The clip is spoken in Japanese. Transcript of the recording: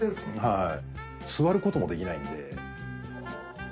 はい。